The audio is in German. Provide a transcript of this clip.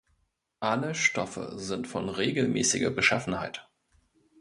Alle Stoffe sind von regelmäßiger Beschaffenheit.